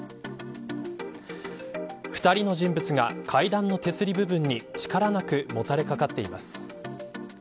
２人の人物が階段の手すり部分に力なく、もたれかかっています。